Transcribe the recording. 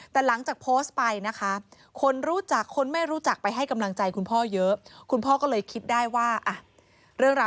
แต่หลังจากโพสต์ไปนะคะคนรู้จักคนไม่รู้จักไปให้กำลังใจคุณพ่อเยอะ